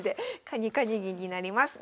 カニカニ銀になります。